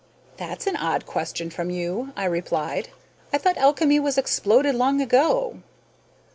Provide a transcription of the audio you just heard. "That's an odd question from you," I replied. "I thought alchemy was exploded long ago."